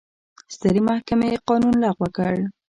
سترې محکمې قانون لغوه کړ.